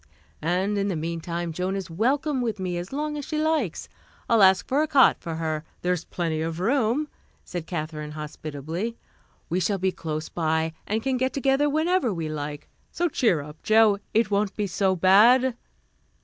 "And in the mean time, Joan is welcome with me as long as she likes. I'll ask for a cot for her. There's plenty of room," said Katherine hospitably. "We shall be close by and can get together whenever we like. So cheer up, Jo, it won't be so bad."